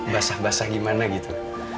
basah basah gimana gitu